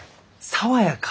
爽やか？